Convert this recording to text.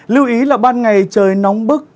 lưu ý là ban ngày trời nóng bức